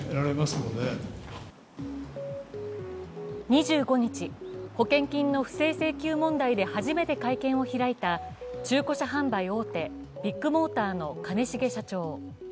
２５日、保険金の不正請求問題で初めて会見を開いた、中古車販売大手、ビッグモーターの兼重社長。